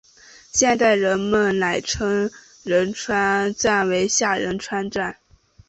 现在人们仍称仁川站为下仁川站。